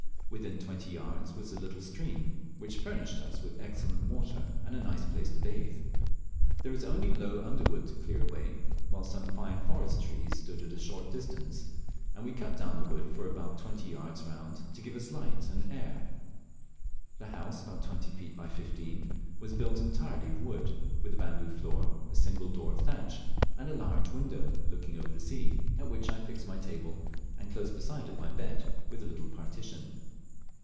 Within twenty yards was a little stream; which furnished us with excellent water and a nice place to bathe. There was only low underwood to clear away, while some fine forest trees stood at a short distance, and we cut down the wood for about twenty yards round to give us light and air. The house, about twenty feet by fifteen; was built entirely of wood, with a bamboo floor, a single door of thatch, and a large window, looking over the sea, at which I fixed my table, and close beside it my bed, within a little partition.